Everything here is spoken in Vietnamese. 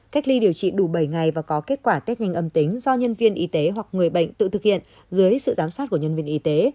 cách ly điều trị đủ bảy ngày và có kết quả tết nhanh âm tính do nhân viên y tế hoặc người bệnh tự thực hiện dưới sự giám sát của nhân viên y tế